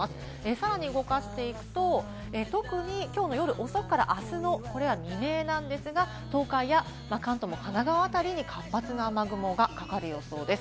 さらに動かしていくと、特にきょうの夜遅くから明日の未明なんですが、東海や関東も神奈川辺りに活発な雨雲がかかる予想です。